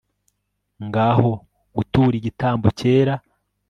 Ngaho gutura igitambo cyera